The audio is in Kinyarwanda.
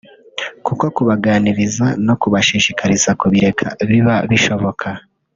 kuko kubaganiriza no kubashishikariza kubireka biba bishoboka